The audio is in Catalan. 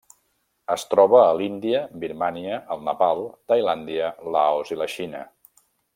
Es troba a l'Índia, Birmània, el Nepal, Tailàndia, Laos i la Xina.